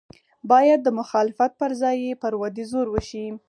باید د مخالفت پر ځای یې پر ودې زور وشي.